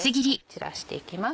散らしていきます。